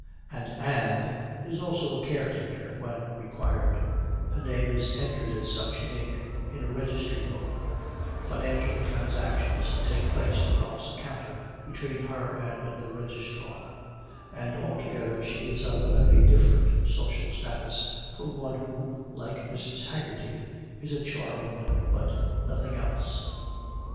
An 'and' is also a caretaker when required; her name is entered as such in ink in a registry book, financial transactions take place across a counter between her and the registrar, and altogether she is of a very different social status from one who, like Mrs. Haggerty, is a charwoman but nothing else.